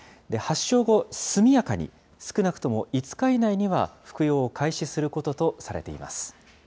発症後、速やかに、少なくとも５日以内には服用を開始することとされています。